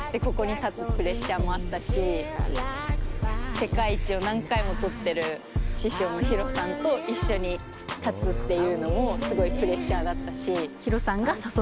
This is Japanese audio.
世界一を何回も取ってる師匠のＨＩＲＯさんと一緒に立つっていうのもすごいプレッシャーだったし。